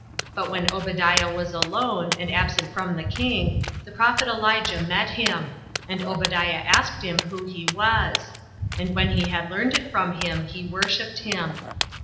But when Obadiah was alone, and absent from the king, the prophet Elijah met him; and Obadiah asked him who he was; and when he had learned it from him, he worshipped him.